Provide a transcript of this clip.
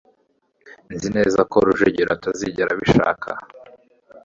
nzi neza ko rujugiro atazigera abishaka